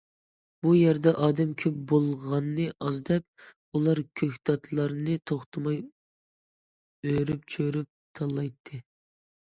بۇ يەردە ئادەم كۆپ بولغاننى ئاز دەپ، ئۇلار كۆكتاتلارنى توختىماي ئۆرۈپ- چۆرۈپ تاللايتتى.